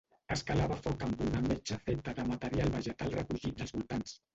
Es calava foc amb una metxa feta de material vegetal recollit dels voltants.